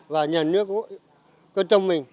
và nhà nước cũng có trong mình